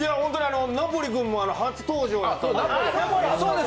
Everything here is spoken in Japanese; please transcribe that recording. ナポリ君も初登場で。